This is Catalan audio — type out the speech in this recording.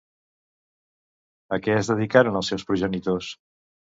A què es dedicaren els seus progenitors?